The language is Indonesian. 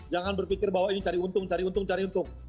jangan berpikir bahwa ini cari untung cari untung cari untung